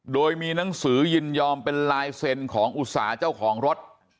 โดยมีหนังสือยินยอมเป็นลายเซ็นของอุตสาห์เจ้าของรถ